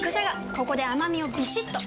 ここで甘みをビシッと！